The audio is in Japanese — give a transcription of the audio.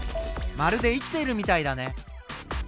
まるで生きているみたいだね。